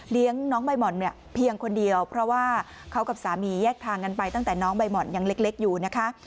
น้องใบห่อนเนี่ยเพียงคนเดียวเพราะว่าเขากับสามีแยกทางกันไปตั้งแต่น้องใบห่อนยังเล็กอยู่นะคะ